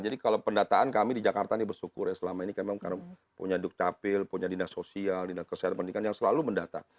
jadi kalau pendataan kami di jakarta ini bersyukur ya selama ini kami memang punya dukcapil punya dina sosial dina kesehatan pendidikan yang selalu mendata